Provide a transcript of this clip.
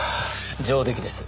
上出来です。